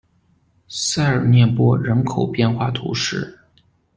塞尔涅博人口变化图示